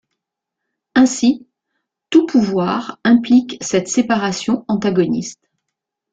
Ainsi, tout pouvoir implique cette séparation antagoniste.